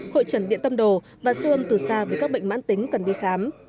hội trần điện tâm đồ và siêu âm từ xa vì các bệnh mãn tính cần đi khám